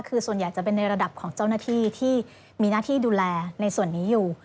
คือส่วนใหญ่จะเป็นในระดับของเจ้าหน้าที่ที่มีหน้าที่ดูแลในส่วนนี้อยู่